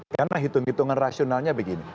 karena hitung hitungan rasionalnya begini